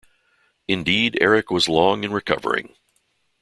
Indeed Erik was long in recovering.